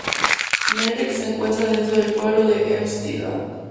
Merrick se encuentra dentro del pueblo de Hempstead.